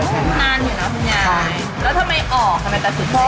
แล้วทำไมออกทำไมแต่สุดท้าย